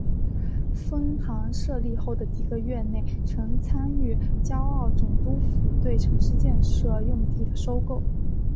分行设立后的几个月内曾参与胶澳总督府对城市建设用地的收购。